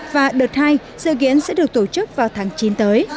và đợt hai dự kiến sẽ được tổ chức vào tháng chín tới